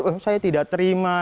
oh saya tidak terima